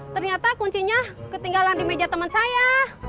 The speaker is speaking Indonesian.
ternyata kuncinya ketinggalan di meja teman saya